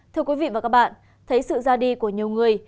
thưa quý vị và các bạn thấy sự ra đi của nhiều người